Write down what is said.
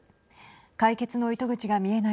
解決の糸口が見えない